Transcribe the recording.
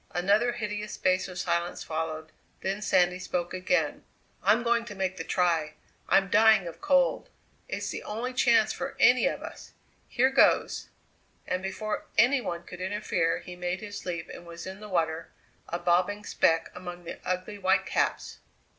Another hideous space of silence followed, then Sandy spoke again: "I'm going to make the try. I'm dying of cold. It's the only chance for any of us. Here goes!" And before any one could interfere he made his leap and was in the water, a bobbing speck among the ugly white caps!